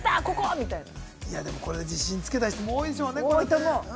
これで自信つけた人、多いでしょうね。